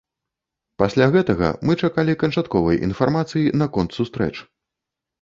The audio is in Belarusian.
Пасля гэтага мы чакалі канчатковай інфармацыі наконт сустрэч.